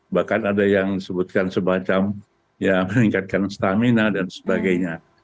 bahkan ada yang disebutkan sebagai meningkatkan stamina dan sebagainya